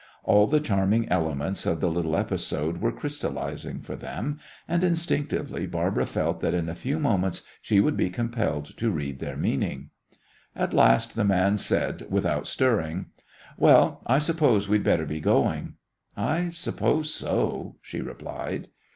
All the charming elements of the little episode were crystallising for them, and instinctively Barbara felt that in a few moments she would be compelled to read their meaning. At last the man said, without stirring: "Well, I suppose we'd better be going." "I suppose so," she replied.